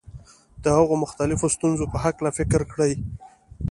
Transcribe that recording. د هغو مختلفو ستونزو په هکله فکر کړی.